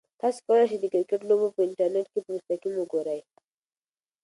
تاسو کولای شئ چې د کرکټ لوبه په انټرنیټ کې په مستقیم وګورئ.